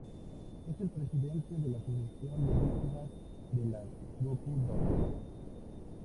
Es el presidente de la asociación de víctimas de las Goku Dolls.